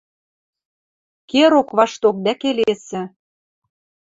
Ке роквашток дӓ келесӹ: